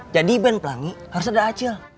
jadi band pelangi harus ada acil